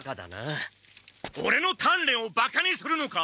オレの鍛錬をバカにするのか！？